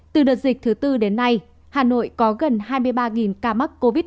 từ đợt dịch thứ tư đến nay hà nội có gần hai mươi ba ca mắc covid một mươi chín